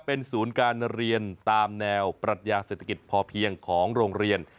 เป็นศูนย์การเรียนตามแนวปรัชญาเศรษฐกิจพอเพียงของโรงเรียน